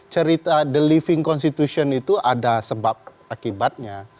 cerita the living constitution itu ada sebab akibatnya